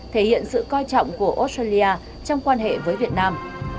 thể hiện sự coi trọng của australia trong quan hệ với việt nam